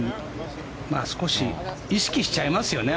少し意識しちゃいますよね。